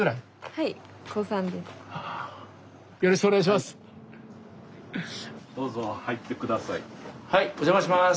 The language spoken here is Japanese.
はいお邪魔します。